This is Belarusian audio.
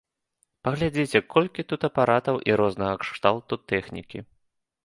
Паглядзіце, колькі тут апаратаў і рознага кшталту тэхнікі.